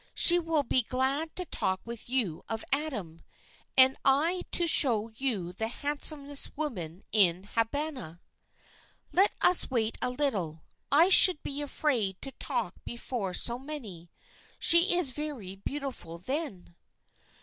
She will be glad to talk with you of Adam, and I to show you the handsomest woman in Habana." "Let us wait a little; I should be afraid to talk before so many. She is very beautiful, then."